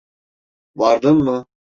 Vardın mı?